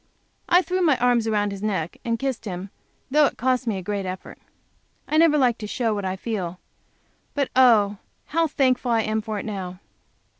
I threw my arms around his neck and kissed him, though that cost me a great effort. I never like to show what I feel. But, oh! how thankful I am for it now.